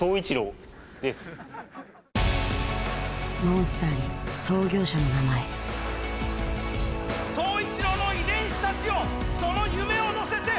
モンスターに創業者の名前宗一郎の遺伝子たちよその夢を乗せて。